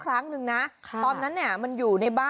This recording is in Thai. แค่นั้นแล้วไม่อยากพูดเย้อ